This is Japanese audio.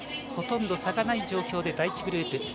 ほとんど差がない状況で第１グループ。